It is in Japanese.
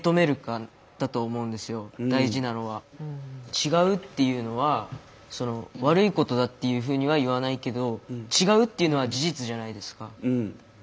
違うっていうのは悪いことだっていうふうには言わないけど違うっていうのは事実じゃないですか。